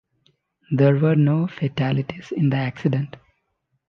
There were no fatalities in the accident.